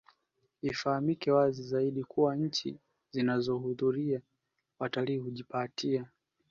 Ifahamike wazi zaidi kuwa nchi zinazowahudumia watalii hujipatia